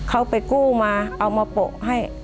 เขาไปกู้มาเอามาโปะให้